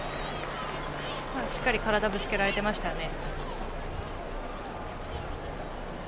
しっかり体ぶつけられていましたよね。